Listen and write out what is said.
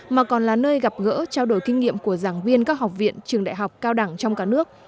mà còn là nơi gặp gỡ trao đổi kinh nghiệm của giảng viên các học viện trường đại học cao đẳng trong cả nước